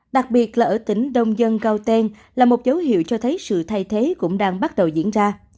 đặc biệt là ở tỉnh đông dân cao tèn là một dấu hiệu cho thấy sự thay thế cũng đang bắt đầu diễn ra